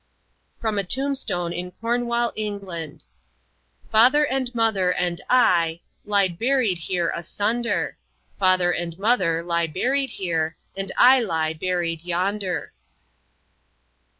From a tombstone in Cornwall, England: "Father and mother and I Lie buried here asunder; Father and mother lie buried here, And I lie buried yonder."